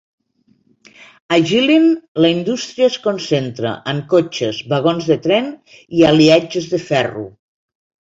A Jilin, la indústria es concentra en cotxes, vagons de tren i aliatges de ferro.